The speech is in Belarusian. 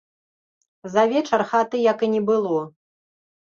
За вечар хаты як і не было.